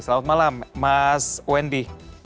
selamat malam mas wendy